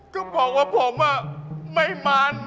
ก็บอกว่าผมไม่มัน